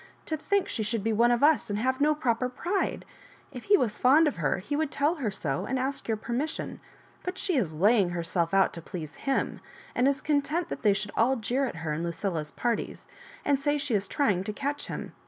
''To think she should be one of us, and have no proper pride I If he was fond of her, he would tell her so, and ask your permission ; but she is laying herself out to please him, and is content that they should all jeer at her in Lucilla's parties, and say she is trying to catch him.